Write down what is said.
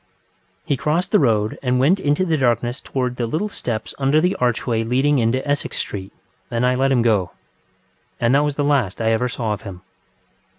ŌĆØ He crossed the road and went into the darkness towards the little steps under the archway leading into Essex Street, and I let him go. And that was the last I ever saw of him.